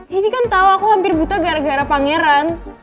dedi kan tau aku hampir buta gara gara pangeran